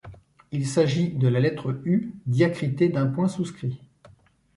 Il s'agit de la lettre U diacritée d'un point souscrit.